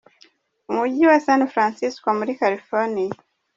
Umujyi wa San Francisco muri California.